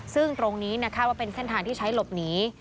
ซึ่งตรงนี้คาดว่าเป็นเส้นทางที่ใช้หลบหนี